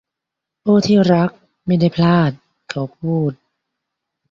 โอ้ที่รักไม่ได้พลาดเขาพูด